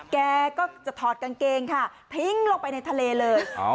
แกก็จะถอดกางเกงค่ะทิ้งลงไปในทะเลเลย